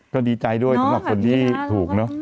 ก็ดีใจด้วยสำหรับคนที่ถูกเนอะ